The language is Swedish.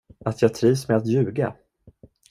Att jag trivs med att ljuga?